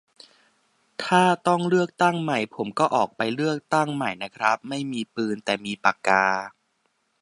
ถ้าต้องเลือกตั้งใหม่ ผมก็ออกไปเลือกใหม่นะครับ ไม่มีปืน มีแต่ปากกา